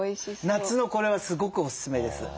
夏のこれはすごくおすすめです。